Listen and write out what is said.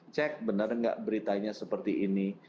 cek benar benar enggak beritanya seperti ini